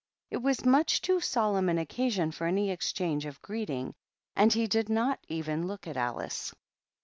It was much too solemn an occasion for any exchange of greeting, and he did THE PAGEANT. Lot even look at Alice.